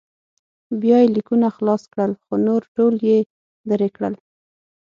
بیا یې لیکونه خلاص کړل خو نور ټول یې لرې کړل.